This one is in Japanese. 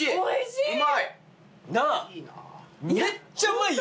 うまい！